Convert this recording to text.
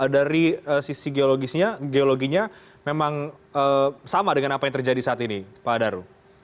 dari sisi geologisnya geologinya memang sama dengan apa yang terjadi saat ini pak daru